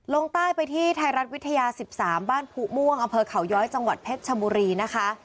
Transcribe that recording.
ลงใต้ไปที่ไทยรัฐวิทยา๑๓บ้านผู้ม่วงอำเภอเขาย้อยจังหวัดเพชรชบุรีนะคะ